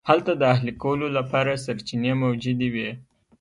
هلته د اهلي کولو لپاره سرچینې موجودې وې.